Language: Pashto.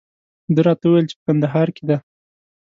ده راته وویل چې په کندهار کې دی.